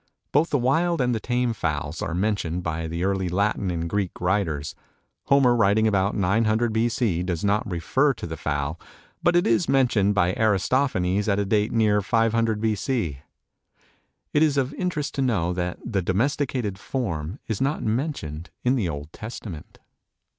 Both the wild and the tame fowls are mentioned by the early Latin and Greek writers. Homer writing about 900 B. C. does not refer to the fowl, but it is mentioned by Aristophanes at a date near 500 B. C. It is of interest to know that the domesticated form is not mentioned in the Old Testament.